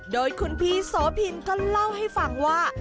โดยคุณพี่โสพินก็เล่าให้ฟังว่า